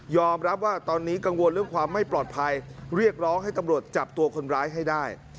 รับว่าตอนนี้กังวลเรื่องความไม่ปลอดภัยเรียกร้องให้ตำรวจจับตัวคนร้ายให้ได้